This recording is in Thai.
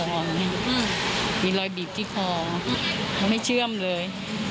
มีรอยบีบที่คอเขาไม่เชื่อมเลย